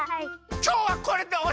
きょうはこれでおしまい！